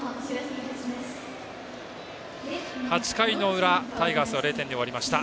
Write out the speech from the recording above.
８回の裏タイガースは０点に終わりました。